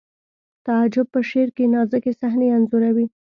تعجب په شعر کې نازکې صحنې انځوروي